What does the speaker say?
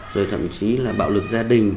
rồi thậm chí là bạo lực gia đình